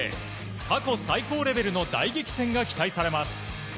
過去最高レベルの大激戦が期待されます。